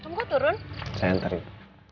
hai kamu turun saya tarik